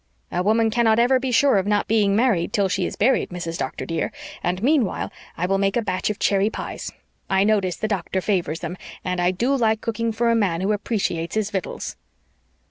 A woman cannot ever be sure of not being married till she is buried, Mrs. Doctor, dear, and meanwhile I will make a batch of cherry pies. I notice the doctor favors 'em, and I DO like cooking for a man who appreciates his victuals."